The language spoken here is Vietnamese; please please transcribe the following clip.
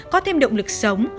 có thêm động lực sống